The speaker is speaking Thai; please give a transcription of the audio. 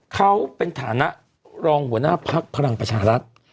เขาเป็นฐานะรองหัวหน้าภักดิ์พลังประชารัฐ